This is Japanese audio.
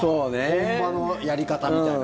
本場のやり方みたいな。